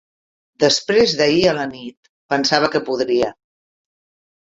Després d'ahir a la nit, pensava que podria.